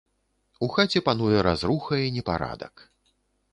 У хаце пануе разруха і непарадак.